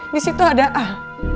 di situ ada al